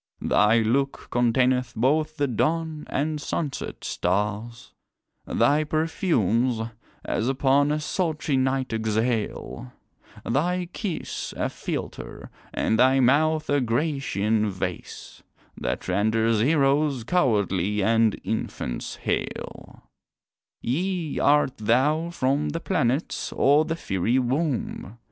Thy look containeth both the dawn and sunset stars, Thy perfumes, as upon a sultry night exhale, Thy kiss a philter, and thy mouth a Grecian vase, That renders heroes cowardly and infants hale. Yea, art thou from the planets, or the fiery womb?